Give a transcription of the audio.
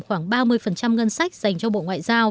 khoảng ba mươi ngân sách dành cho bộ ngoại giao